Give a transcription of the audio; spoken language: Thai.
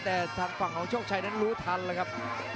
แต่ทางฝั่งของโชคชัยนั้นรู้ทันแล้วครับ